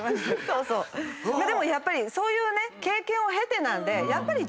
でもやっぱりそういうね経験を経てなんでやっぱり上手。